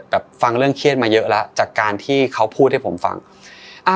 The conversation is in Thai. ฟังเรื่องเครียดมาเยอะแล้วจากการที่เขาพูดให้ผมฟังอ่า